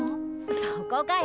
そこかよ。